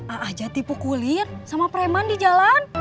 a'ajat dipukulin sama preman di jalan